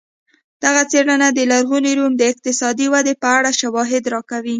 دغه څېړنه د لرغوني روم د اقتصادي ودې په اړه شواهد راکوي